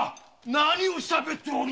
何を喋べっておる！